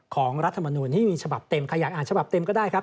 รัฐมนูลที่มีฉบับเต็มใครอยากอ่านฉบับเต็มก็ได้ครับ